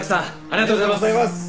ありがとうございます！